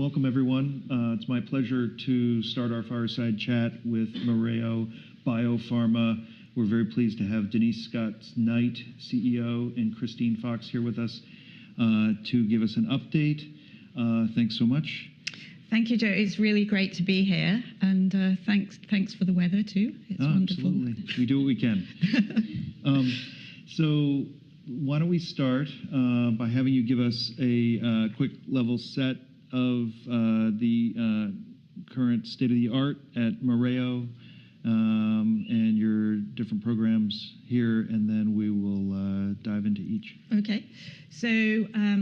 Welcome, everyone. It's my pleasure to start our fireside chat with Mereo BioPharma. We're very pleased to have Denise Scots-Knight, CEO, and Christine Fox here with us to give us an update. Thanks so much. Thank you, Joe. It's really great to be here. Thanks for the weather, too. It's wonderful. Absolutely. We do what we can. So why don't we start by having you give us a quick level set of the current state-of-the-art at Mereo and your different programs here, and then we will dive into each. OK.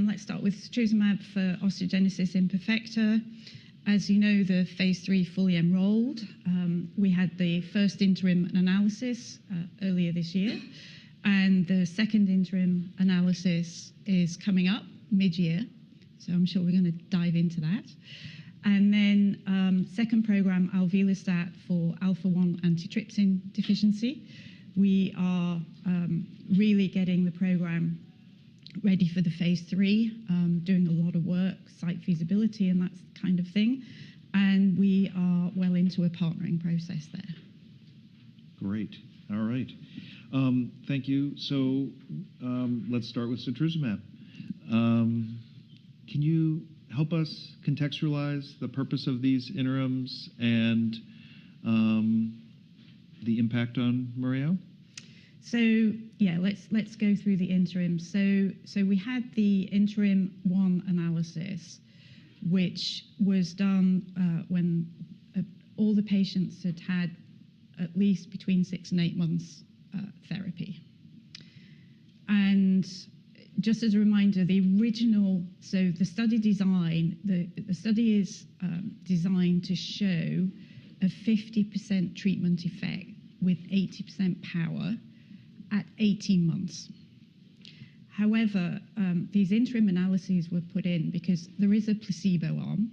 Let's start with setrusumab for osteogenesis imperfecta. As you know, the phase III fully enrolled, we had the first interim analysis earlier this year. The second interim analysis is coming up mid-year. I'm sure we're going to dive into that. The second program, alvelestat for alpha-1 antitrypsin deficiency, we are really getting the program ready for the phase III, doing a lot of work, site feasibility, and that kind of thing. We are well into a partnering process there. Great. All right. Thank you. Let's start with setrusumab. Can you help us contextualize the purpose of these interims and the impact on Mereo? Yeah, let's go through the interims. We had the interim one analysis, which was done when all the patients had had at least between six and eight months' therapy. Just as a reminder, the original, so the study design, the study is designed to show a 50% treatment effect with 80% power at 18 months. However, these interim analyses were put in because there is a placebo arm.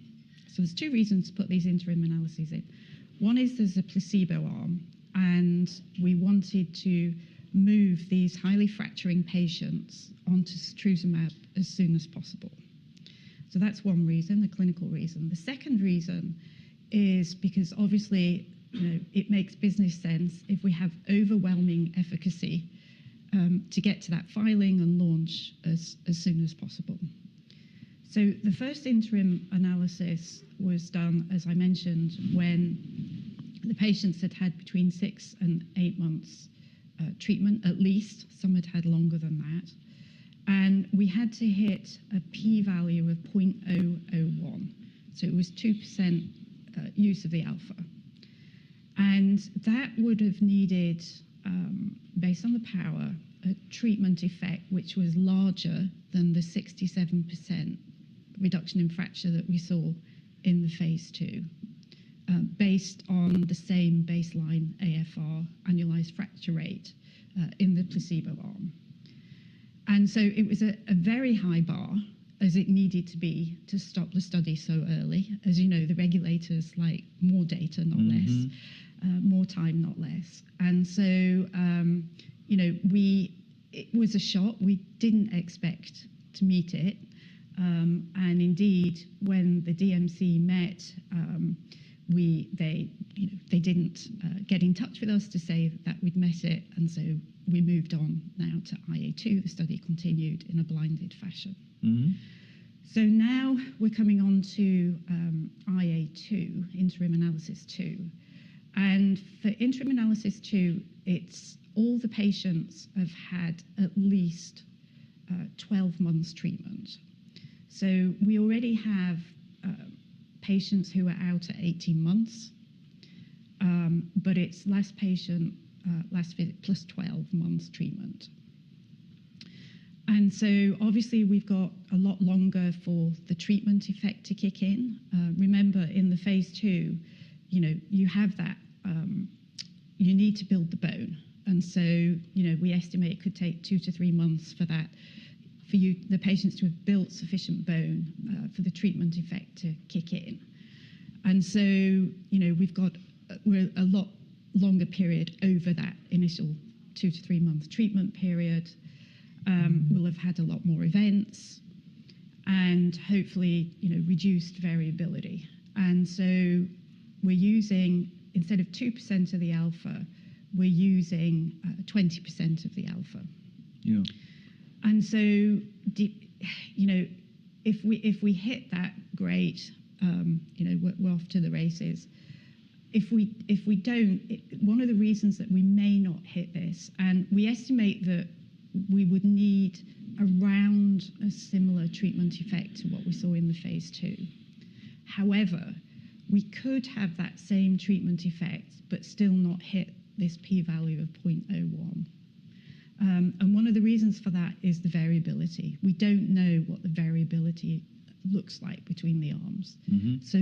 So there's two reasons to put these interim analyses in. One is there's a placebo arm, and we wanted to move these highly fracturing patients onto setrusumab as soon as possible. That's one reason, the clinical reason. The second reason is because, obviously, it makes business sense if we have overwhelming efficacy to get to that filing and launch as soon as possible. The first interim analysis was done, as I mentioned, when the patients had had between six and eight months' treatment, at least. Some had had longer than that. We had to hit a p-value of 0.001. It was 2% use of the alpha. That would have needed, based on the power, a treatment effect which was larger than the 67% reduction in fracture that we saw in the phase II, based on the same baseline AFR, annualized fracture rate, in the placebo arm. It was a very high bar, as it needed to be, to stop the study so early. As you know, the regulators like more data, not less. More time, not less. It was a shock. We did not expect to meet it. Indeed, when the DMC met, they didn't get in touch with us to say that we had met it. We moved on now to IA-2. The study continued in a blinded fashion. Now we are coming on to IA-2, interim analysis two. For interim analysis two, all the patients have had at least 12 months' treatment. We already have patients who are out at 18 months. It is last patient, last plus 12 months' treatment. Obviously, we have got a lot longer for the treatment effect to kick in. Remember, in the phase II, you know, you have that you need to build the bone. We estimate it could take two to three months for the patients to have built sufficient bone for the treatment effect to kick in. We have a lot longer period over that initial two to three-month treatment period. We'll have had a lot more events and, hopefully, reduced variability. We're using, instead of 2% of the alpha, 20% of the alpha. Yeah. If we hit that, great. We're off to the races. If we don't, one of the reasons that we may not hit this, and we estimate that we would need around a similar treatment effect to what we saw in the phase II. However, we could have that same treatment effect but still not hit this p-value of 0.01. One of the reasons for that is the variability. We don't know what the variability looks like between the arms.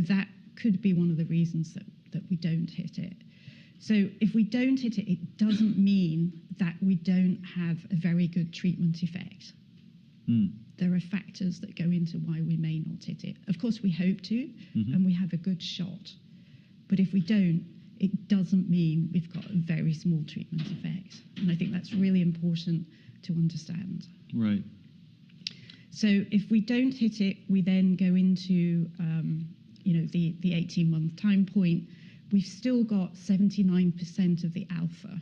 That could be one of the reasons that we don't hit it. If we don't hit it, it doesn't mean that we don't have a very good treatment effect. There are factors that go into why we may not hit it. Of course, we hope to, and we have a good shot. If we don't, it doesn't mean we've got a very small treatment effect. I think that's really important to understand. Right. If we don't hit it, we then go into the 18-month time point. We've still got 79% of the alpha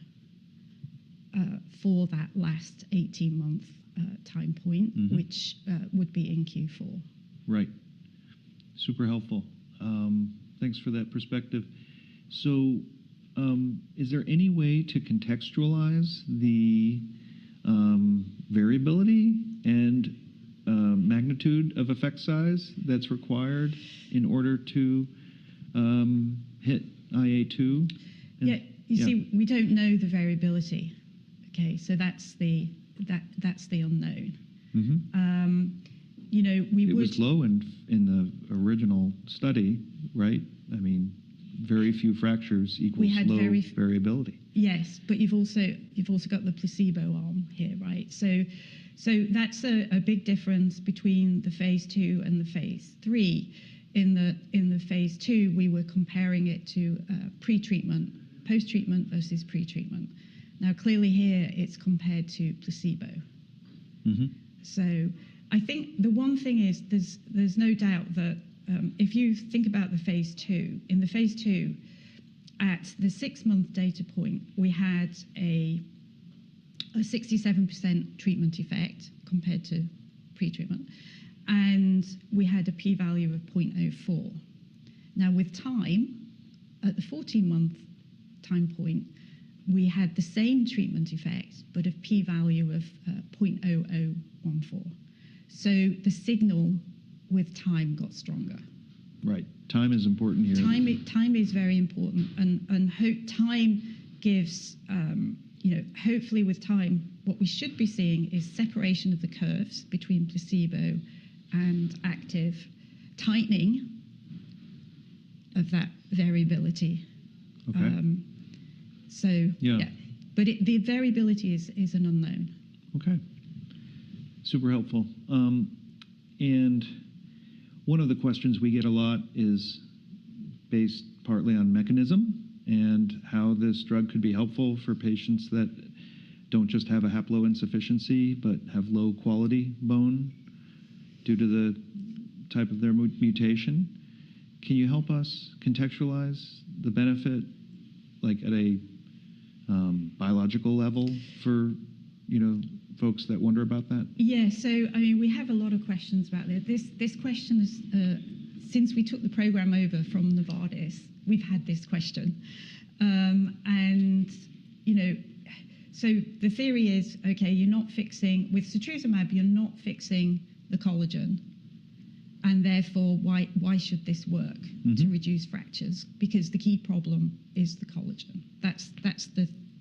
for that last 18-month time point, which would be in Q4. Right. Super helpful. Thanks for that perspective. Is there any way to contextualize the variability and magnitude of effect size that's required in order to hit IA-2? Yeah. You see, we don't know the variability. OK, so that's the unknown. It was low in the original study, right? I mean, very few fractures equal low variability. Yes. But you've also got the placebo arm here, right? So that's a big difference between the phase II and the phase III. In the phase II, we were comparing it to pretreatment, post-treatment versus pretreatment. Now, clearly, here, it's compared to placebo. So I think the one thing is there's no doubt that if you think about the phase II, in the phase II, at the six-month data point, we had a 67% treatment effect compared to pretreatment. And we had a p-value of 0.04. Now, with time, at the 14-month time point, we had the same treatment effect but a p-value of 0.0014. So the signal with time got stronger. Right. Time is important here. Time is very important. Time gives, hopefully, with time, what we should be seeing is separation of the curves between placebo and active, tightening of that variability. OK. The variability is an unknown. OK. Super helpful. One of the questions we get a lot is based partly on mechanism and how this drug could be helpful for patients that do not just have a haploinsufficiency but have low-quality bone due to the type of their mutation. Can you help us contextualize the benefit, like, at a biological level for folks that wonder about that? Yeah. I mean, we have a lot of questions about this. This question, since we took the program over from Novartis, we've had this question. The theory is, OK, with setrusumab, you're not fixing the collagen. Therefore, why should this work to reduce fractures? Because the key problem is the collagen. That's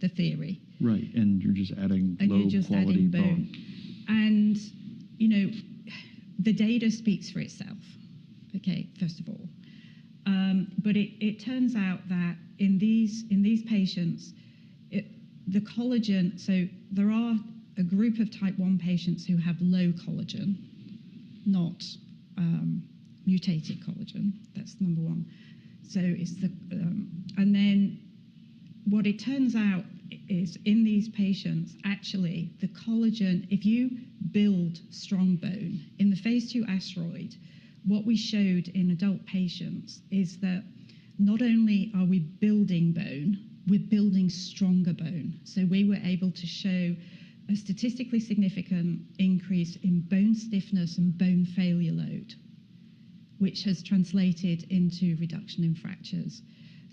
the theory. Right. You are just adding low-quality bone. And you're just adding bone. The data speaks for itself, OK, first of all. It turns out that in these patients, the collagen, so there are a group of type I patients who have low collagen, not mutated collagen. That's number one. What it turns out is in these patients, actually, the collagen, if you build strong bone in the phase II ASTEROID, what we showed in adult patients is that not only are we building bone, we're building stronger bone. We were able to show a statistically significant increase in bone stiffness and bone failure load, which has translated into reduction in fractures.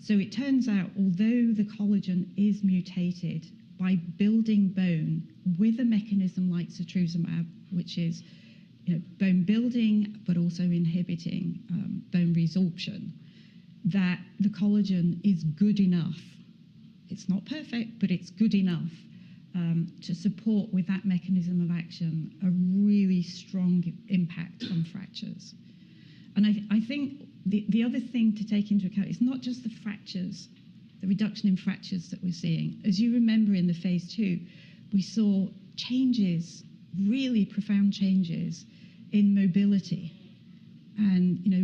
So it turns out, although the collagen is mutated, by building bone with a mechanism like setrusumab, which is bone building but also inhibiting bone resorption, the collagen is good enough. It's not perfect, but it's good enough to support, with that mechanism of action, a really strong impact on fractures. I think the other thing to take into account is not just the fractures, the reduction in fractures that we're seeing. As you remember, in the phase II, we saw changes, really profound changes in mobility.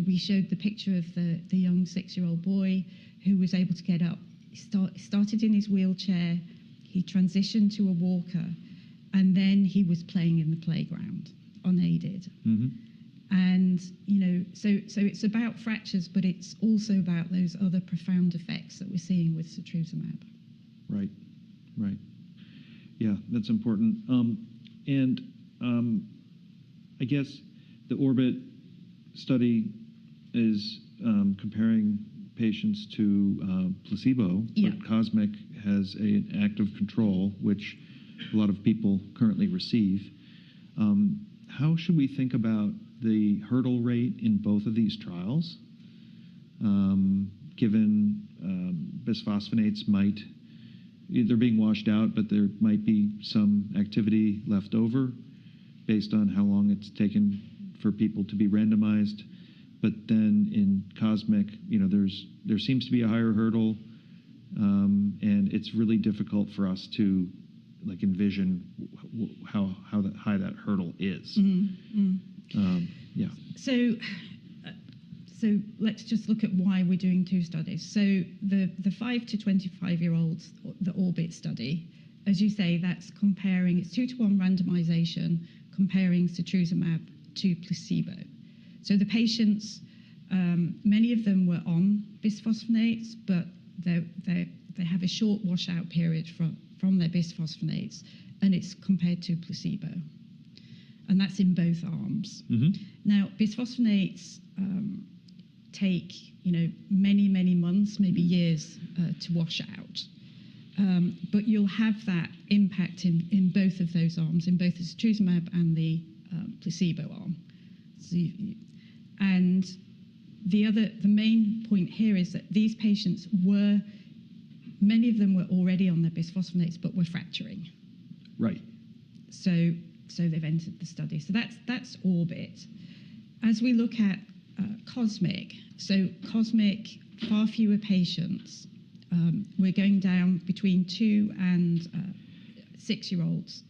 We showed the picture of the young six-year-old boy who was able to get up. He started in his wheelchair. He transitioned to a walker. And then he was playing in the playground, unaided. It's about fractures, but it's also about those other profound effects that we're seeing with setrusumab. Right. Right. Yeah, that's important. I guess the Orbit study is comparing patients to placebo. Yeah. Cosmic has an active control, which a lot of people currently receive. How should we think about the hurdle rate in both of these trials, given bisphosphonates might, either being washed out, but there might be some activity left over based on how long it's taken for people to be randomized. But then in Cosmic, there seems to be a higher hurdle. And it's really difficult for us to envision how high that hurdle is. Yeah. Let's just look at why we're doing two studies. The 5 to 25-year-olds, the Orbit study, as you say, that's comparing, it's two-to-one randomization, comparing setrusumab to placebo. The patients, many of them were on bisphosphonates, but they have a short washout period from their bisphosphonates. It's compared to placebo. That's in both arms. Now, bisphosphonates take many, many months, maybe years, to wash out. You'll have that impact in both of those arms, in both the setrusumab and the placebo arm. The main point here is that these patients were, many of them were already on their bisphosphonates but were fracturing. Right. They've entered the study. That's Orbit. As we look at Cosmic, Cosmic, far fewer patients. We're going down between two and six-year-olds.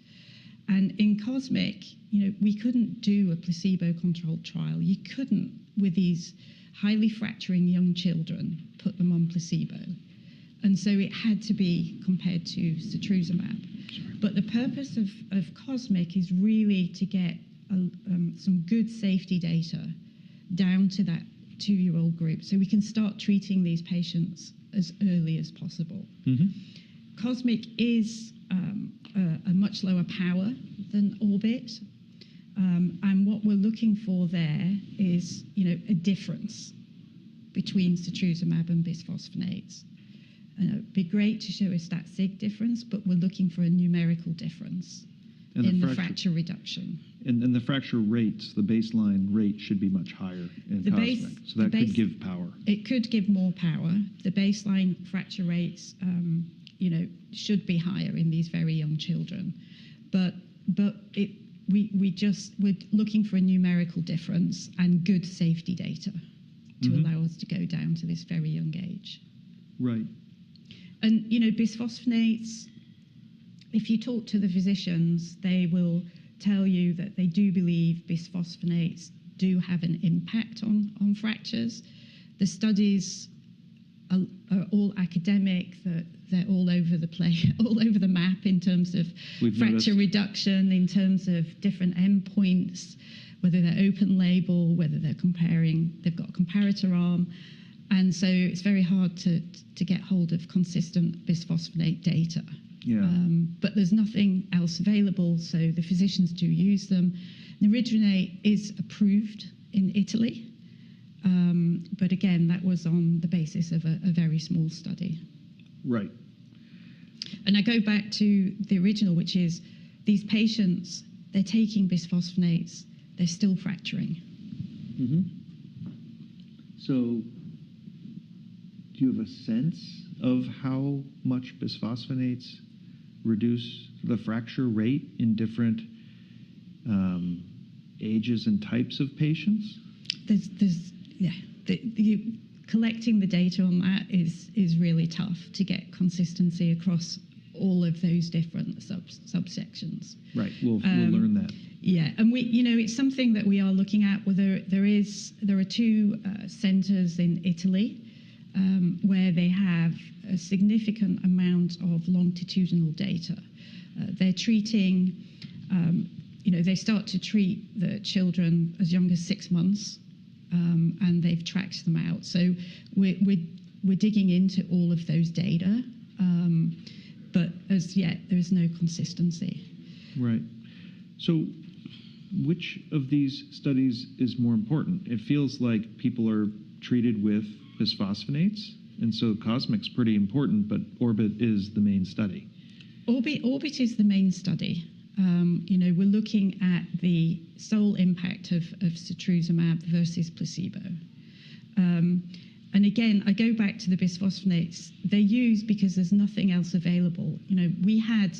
In Cosmic, we couldn't do a placebo-controlled trial. You couldn't, with these highly fracturing young children, put them on placebo. It had to be compared to setrusumab. But the purpose of Cosmic is really to get some good safety data down to that two-year-old group so we can start treating these patients as early as possible. Cosmic is a much lower power than Orbit. What we're looking for there is a difference between setrusumab and bisphosphonates. And it'd be great to show us that significant difference, but we're looking for a numerical difference in fracture reduction. The fracture rates, the baseline rate should be much higher in Cosmic. The base. That could give power. It could give more power. The baseline fracture rates should be higher in these very young children. We are looking for a numerical difference and good safety data to allow us to go down to this very young age. Right. Bisphosphonates, if you talk to the physicians, they will tell you that they do believe bisphosphonates do have an impact on fractures. The studies are all academic. They're all over the map in terms of fracture reduction, in terms of different endpoints, whether they're open label, whether they're comparing, they've got a comparator arm. It is very hard to get hold of consistent bisphosphonate data. Yeah. There is nothing else available, so the physicians do use them. Neridronate is approved in Italy. That was on the basis of a very small study. Right. I go back to the original, which is these patients, they're taking bisphosphonates. They're still fracturing. Do you have a sense of how much bisphosphonates reduce the fracture rate in different ages and types of patients? Yeah. Collecting the data on that is really tough to get consistency across all of those different subsections. Right. We'll learn that. Yeah. It is something that we are looking at. There are two centers in Italy where they have a significant amount of longitudinal data. They start to treat the children as young as six months, and they have tracked them out. We are digging into all of those data. As yet, there is no consistency. Right. Which of these studies is more important? It feels like people are treated with bisphosphonates. Cosmic's pretty important, but Orbit is the main study. Orbit is the main study. We're looking at the sole impact of setrusumab versus placebo. I go back to the bisphosphonates. They use because there's nothing else available. We had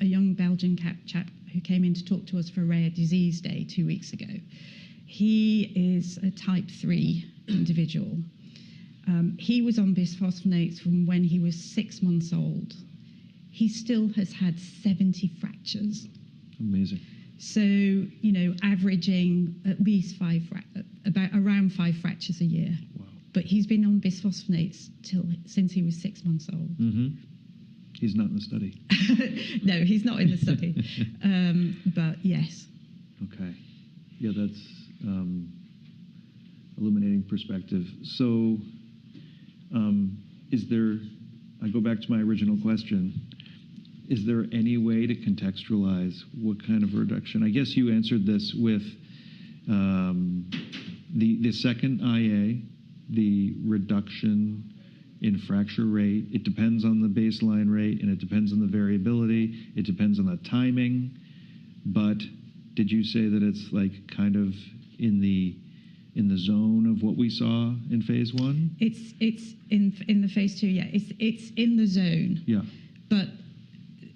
a young Belgian chap who came in to talk to us for Rare Disease Day two weeks ago. He is a type III individual. He was on bisphosphonates from when he was six months old. He still has had 70 fractures. Amazing. Averaging at least about around five fractures a year. Wow. He’s been on bisphosphonates since he was six months old. He's not in the study. No, he's not in the study. But yes. OK. Yeah, that's illuminating perspective. I go back to my original question. Is there any way to contextualize what kind of a reduction? I guess you answered this with the second IA, the reduction in fracture rate. It depends on the baseline rate, and it depends on the variability. It depends on the timing. Did you say that it's kind of in the zone of what we saw in phase I? It's in the phase II, yeah. It's in the zone. Yeah.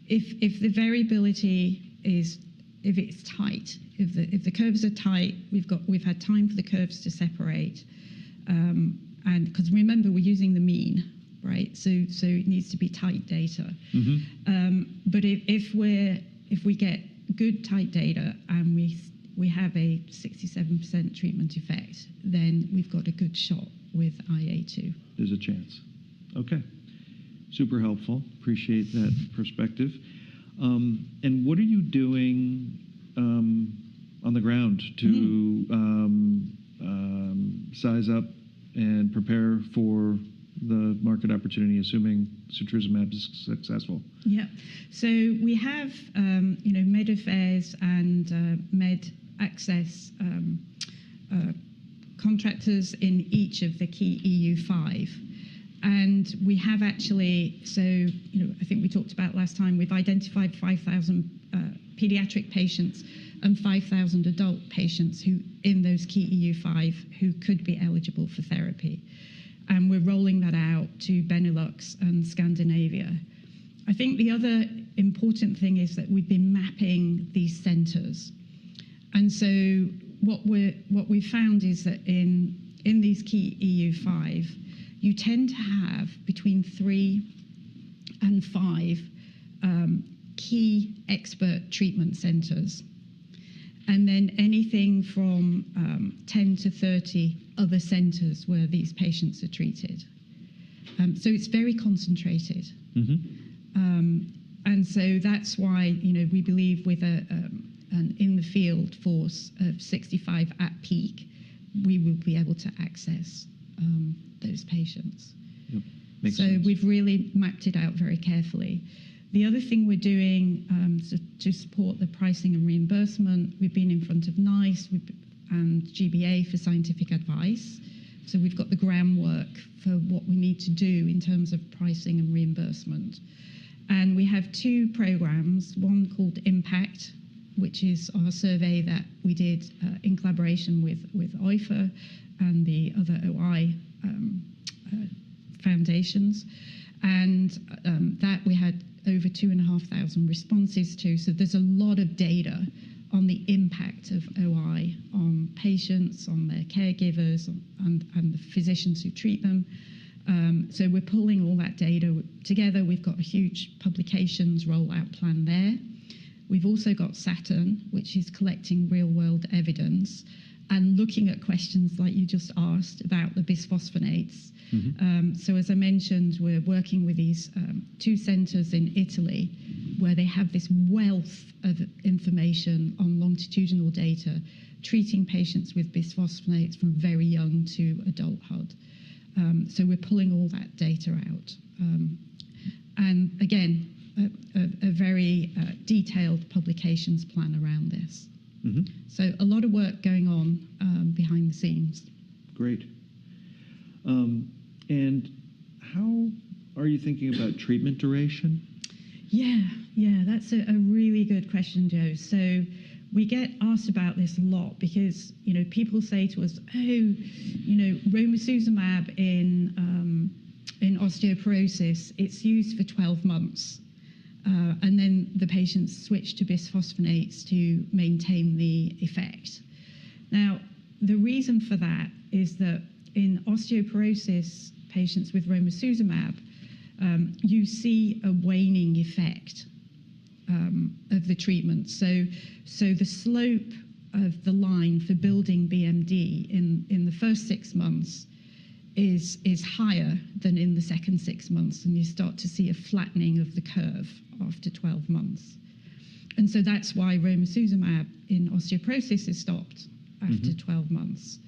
If the variability is, if it's tight, if the curves are tight, we've had time for the curves to separate. Because remember, we're using the mean, right? It needs to be tight data. If we get good, tight data, and we have a 67% treatment effect, then we've got a good shot with IA2. There's a chance. OK. Super helpful. Appreciate that perspective. What are you doing on the ground to size up and prepare for the market opportunity, assuming setrusumab is successful? Yeah. We have Med Affairs and Med Access contractors in each of the key EU5. We have actually, I think we talked about last time, we've identified 5,000 pediatric patients and 5,000 adult patients in those key EU5 who could be eligible for therapy. We're rolling that out to Benelux and Scandinavia. I think the other important thing is that we've been mapping these centers. What we found is that in these key EU5, you tend to have between three and five key expert treatment centers. Then anything from 10-30 other centers where these patients are treated. It is very concentrated. That is why we believe with an in-the-field force of 65 at peak, we will be able to access those patients. Yep. Makes sense. We have really mapped it out very carefully. The other thing we are doing to support the pricing and reimbursement, we've been in front of NICE and G-BA for scientific advice. We have the groundwork for what we need to do in terms of pricing and reimbursement. We have two programs, one called IMPACT, which is our survey that we did in collaboration with OIFE and the other OI foundations. We had over 2,500 responses to that. There is a lot of data on the impact of OI on patients, on their caregivers, and the physicians who treat them. We are pulling all that data together. We have a huge publications rollout plan there. We also have SATURN, which is collecting real-world evidence and looking at questions like you just asked about the bisphosphonates. As I mentioned, we're working with these two centers in Italy where they have this wealth of information on longitudinal data treating patients with bisphosphonates from very young to adulthood. We're pulling all that data out. Again, a very detailed publications plan around this. A lot of work going on behind the scenes. Great. How are you thinking about treatment duration? Yeah. Yeah, that's a really good question, Joe. We get asked about this a lot because people say to us, oh, romosozumab in osteoporosis, it's used for 12 months. The patients switch to bisphosphonates to maintain the effect. The reason for that is that in osteoporosis patients with romosozumab, you see a waning effect of the treatment. The slope of the line for building BMD in the first six months is higher than in the second six months. You start to see a flattening of the curve after 12 months. That's why romosozumab in osteoporosis is stopped after 12 months.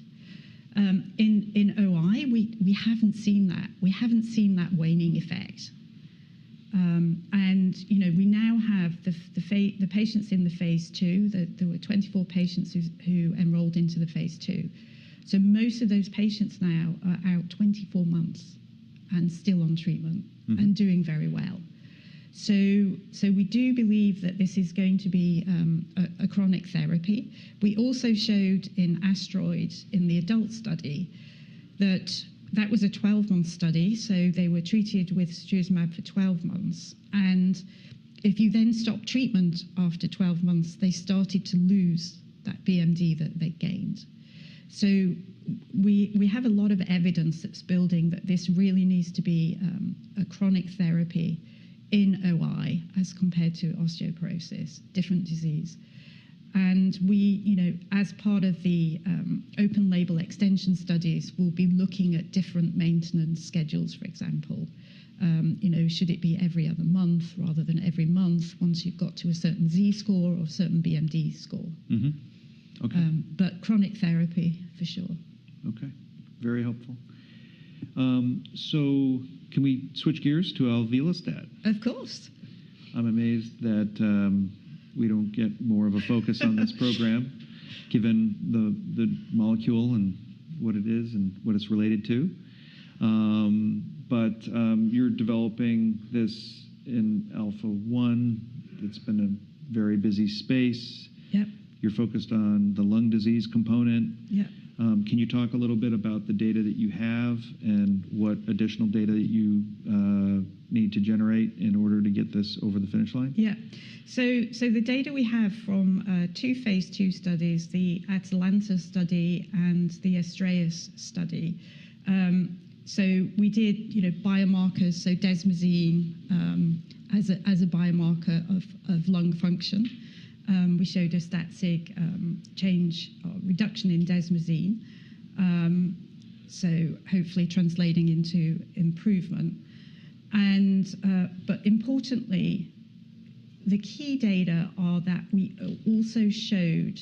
In OI, we haven't seen that. We haven't seen that waning effect. We now have the patients in the phase II. There were 24 patients who enrolled into the phase II. Most of those patients now are out 24 months and still on treatment and doing very well. We do believe that this is going to be a chronic therapy. We also showed in ASTEROID in the adult study that that was a 12-month study. They were treated with setrusumab for 12 months. If you then stop treatment after 12 months, they started to lose that BMD that they gained. We have a lot of evidence that's building that this really needs to be a chronic therapy in OI as compared to osteoporosis, different disease. As part of the open label extension studies, we'll be looking at different maintenance schedules, for example. Should it be every other month rather than every month once you've got to a certain Z-score or a certain BMD score? OK. Chronic therapy for sure. OK. Very helpful. Can we switch gears to alvelestat? Of course. I'm amazed that we don't get more of a focus on this program given the molecule and what it is and what it's related to. You're developing this in Alpha-1. It's been a very busy space. Yep. You're focused on the lung disease component. Yep. Can you talk a little bit about the data that you have and what additional data that you need to generate in order to get this over the finish line? Yep. The data we have from two phase II studies, the ATALANTa study and the ASTRAEUS study. We did biomarkers, so desmosine as a biomarker of lung function. We showed a static change or reduction in desmosine, so hopefully translating into improvement. Importantly, the key data are that we also showed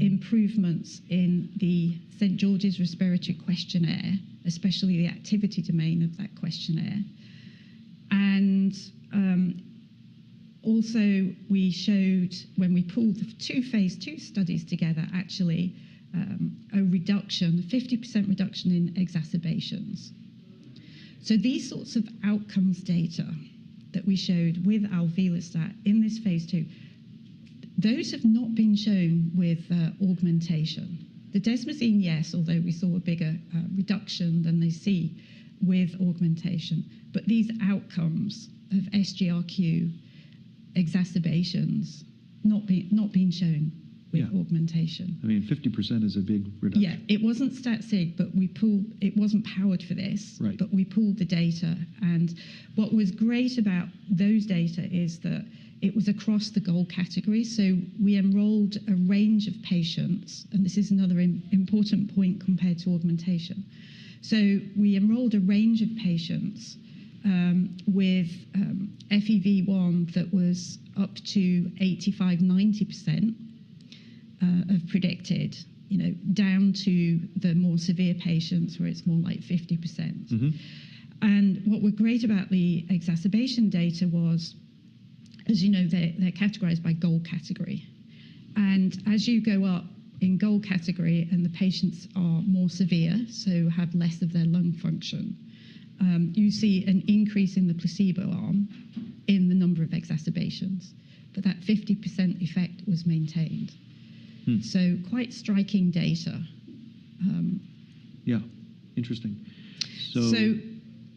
improvements in the St. George's Respiratory Questionnaire, especially the activity domain of that questionnaire. Also, we showed when we pulled the two phase II studies together, actually a reduction, 50% reduction in exacerbations. These sorts of outcomes data that we showed with alvelestat in this phase II, those have not been shown with augmentation. The desmosine, yes, although we saw a bigger reduction than they see with augmentation. These outcomes of SGRQ exacerbations not being shown with augmentation. I mean, 50% is a big reduction. Yeah. It wasn't static, but we pulled, it wasn't powered for this, but we pulled the data. And what was great about those data is that it was across the GOLD category. So we enrolled a range of patients. This is another important point compared to augmentation. We enrolled a range of patients with FEV1 that was up to 85%, 90% of predicted, down to the more severe patients where it's more like 50%. What was great about the exacerbation data was, as you know, they're categorized by GOLD category. As you go up in GOLD category and the patients are more severe, so have less of their lung function, you see an increase in the placebo arm in the number of exacerbations. That 50% effect was maintained. So quite striking data. Yeah. Interesting.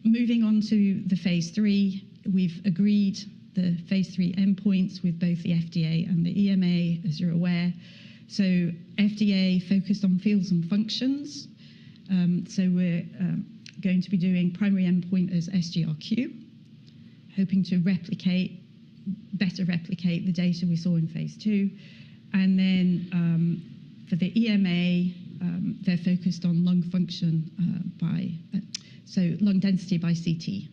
Moving on to the phase III, we've agreed the phase III endpoints with both the FDA and the EMA, as you're aware. FDA focused on feels and functions. We're going to be doing primary endpoint as SGRQ, hoping to replicate, better replicate the data we saw in phase II. For the EMA, they're focused on lung function by, so lung density by CT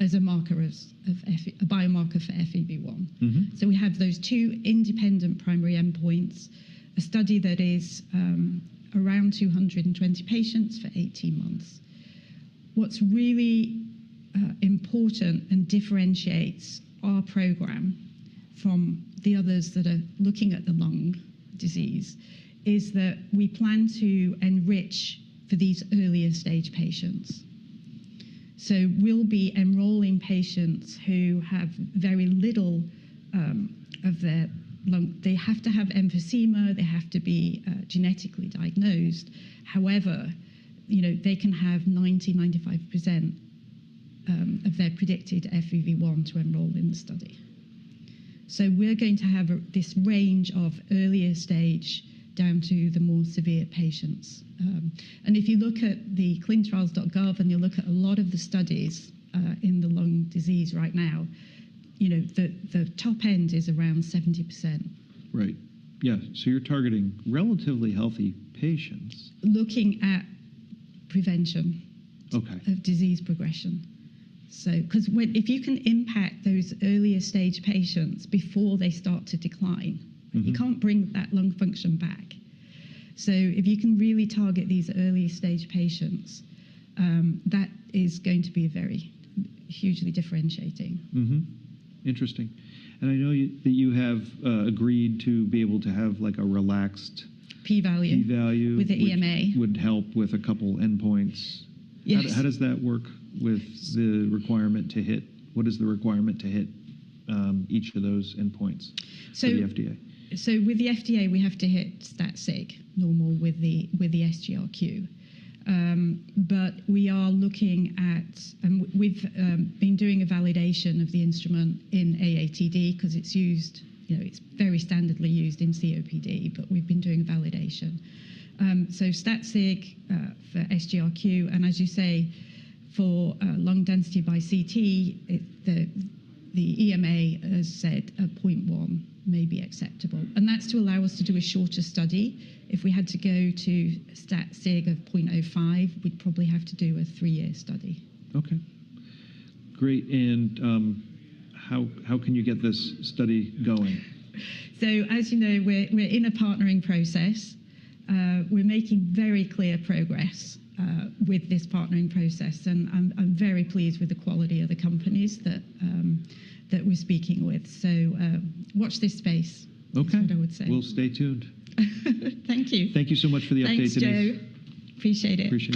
as a marker of a biomarker for FEV1. We have those two independent primary endpoints, a study that is around 220 patients for 18 months. What's really important and differentiates our program from the others that are looking at the lung disease is that we plan to enrich for these earlier stage patients. We'll be enrolling patients who have very little of their lung, they have to have emphysema, they have to be genetically diagnosed. However, they can have 90% to 95% of their predicted FEV1 to enroll in the study. We're going to have this range of earlier stage down to the more severe patients. If you look at the clintrials.gov and you look at a lot of the studies in the lung disease right now, the top end is around 70%. Right. Yeah. You're targeting relatively healthy patients. Looking at prevention of disease progression. Because if you can impact those earlier stage patients before they start to decline, you can't bring that lung function back. If you can really target these earlier stage patients, that is going to be very hugely differentiating. Interesting. I know that you have agreed to be able to have like a relaxed. P-value. P-value. With the EMA. Would help with a couple endpoints. Yes. How does that work with the requirement to hit, what is the requirement to hit each of those endpoints through the FDA? With the FDA, we have to hit static normal with the SGRQ. We are looking at, we've been doing a validation of the instrument in AATD because it's used, it's very standardly used in COPD, but we've been doing validation. Static for SGRQ. As you say, for lung density by CT, the EMA has said a 0.1 may be acceptable. That's to allow us to do a shorter study. If we had to go to static of 0.05, we'd probably have to do a three-year study. OK. Great. How can you get this study going? As you know, we're in a partnering process. We're making very clear progress with this partnering process. I'm very pleased with the quality of the companies that we're speaking with. Watch this space, is what I would say. OK. We'll stay tuned. Thank you. Thank you so much for the update today. Thanks, Joe. Appreciate it. Appreciate it.